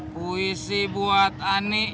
puisi buat ani